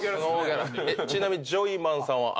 ちなみにジョイマンさんは？